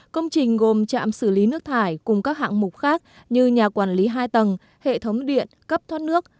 công trình gồm trạm xử lý nước thải cùng các hạng mục khác như nhà quản lý hai tầng hệ thống điện cấp thoát nước